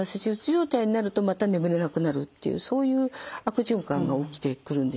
状態になるとまた眠れなくなるっていうそういう悪循環が起きてくるんですね。